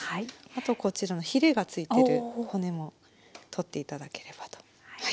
あとこちらのひれが付いてる骨も取って頂ければと思います。